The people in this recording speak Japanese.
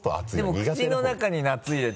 口の中に夏って。